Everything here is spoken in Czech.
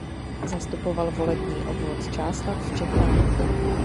Zastupoval volební obvod Čáslav v Čechách.